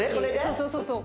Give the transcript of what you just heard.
そうそうそう。